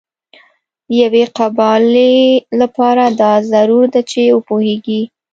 د یوې قابلې لپاره دا ضرور ده چې وپوهیږي.